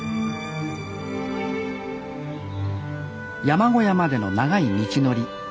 山小屋までの長い道のり。